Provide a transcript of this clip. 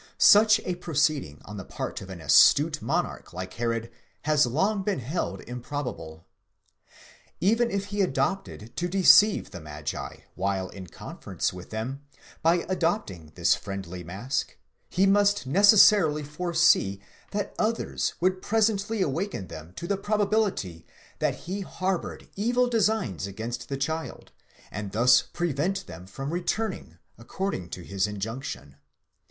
Such a proceeding on the part of an astute monarch like Herod has long been held improbable.? Even if he hoped to deceive the magi, while in conference with them, by adopting this friendly mask, he must necessarily foresee that others would presently awaken them to the probability that he harboured evil designs against the child, and thus prevent them from returning according to his injunction.